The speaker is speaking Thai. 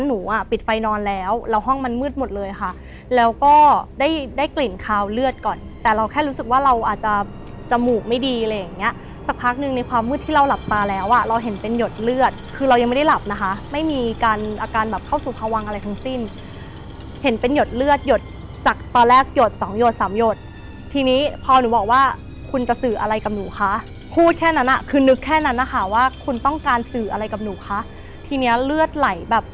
หนูอ่ะปิดไฟนอนแล้วแล้วห้องมันมืดหมดเลยค่ะแล้วก็ได้ได้กลิ่นขาวเลือดก่อนแต่เราแค่รู้สึกว่าเราอาจจะจมูกไม่ดีอะไรอย่างเงี้ยสักพักหนึ่งในความมืดที่เราหลับตาแล้วอ่ะเราเห็นเป็นหยดเลือดคือเรายังไม่ได้หลับนะคะไม่มีการอาการแบบเข้าสู่พวังอะไรทั้งสิ้นเห็นเป็นหยดเลือดหยดจากตอนแรกหยดสองหยดสามหยดท